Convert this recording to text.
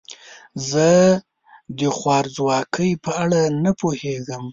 زه د خوارځواکۍ په اړه نه پوهیږم.